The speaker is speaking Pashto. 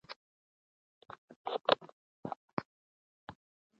دغه درمل د سیروتونین کچه برابروي.